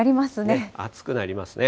暑くなりますね。